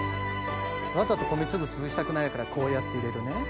わざと米粒つぶしたくないからこうやって入れるね。